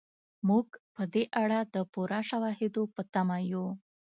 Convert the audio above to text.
موږ په دې اړه د پوره شواهدو په تمه یو.